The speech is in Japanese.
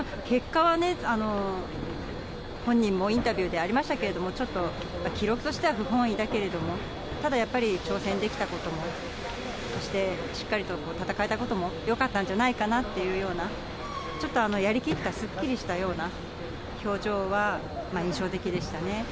結果は、本人もインタビューでありましたけれども、ちょっと記録としては不本意だけれども、ただやっぱり、挑戦できたことも、そしてしっかりと戦えたこともよかったんじゃないかなというような、ちょっとやりきった、すっきりしたような表情は印象的でしたね。